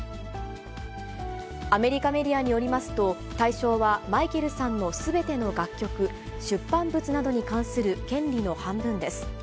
アメリカメディアによりますと、対象は、マイケルさんのすべての楽曲、出版物などに関する権利の半分です。